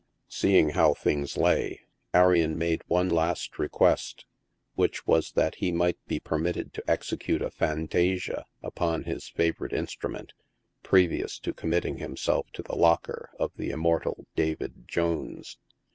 Seeing how things lay, Arion made one last request, which was that he might be permitted to execute a fantasia u;»on his favorite instrument, previous to com mitting himself to the locker of the immortal David Jones.